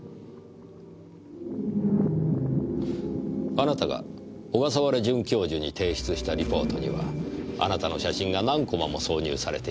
あなたが小笠原准教授に提出したリポートにはあなたの写真が何コマも挿入されていました。